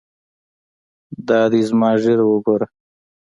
دا دى زما ږيره وګوره.